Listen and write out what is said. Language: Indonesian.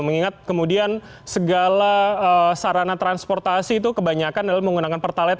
mengingat kemudian segala sarana transportasi itu kebanyakan menggunakan pertalite